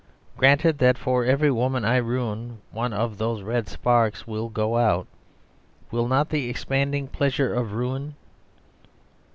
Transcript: Granted that for every woman I ruin one of those red sparks will go out: will not the expanding pleasure of ruin..."